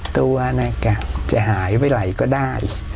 ตัวนักกะจะหายไปไหนก็ได้